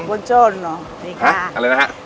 บนโจโนสวัสดีค่ะอะไรนะฮะ